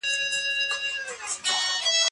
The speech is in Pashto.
شیطان په زور نیولی